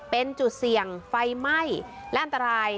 เป็นจุดเสี่ยงไฟไหม้และอันตราย